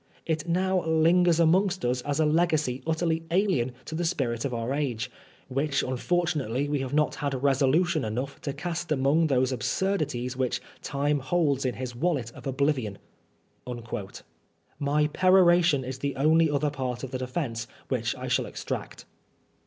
It now lingers amongst us as a legacy utterly alien to the spirit of Qur age, which unfortunately we have not had resolution enough to cast among those absurdities which Time holds in his ^^et of oblivion." My peroration is the only other part of the defence which I shall extract.